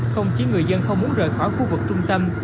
không chỉ người dân không muốn rời khỏi khu vực trung tâm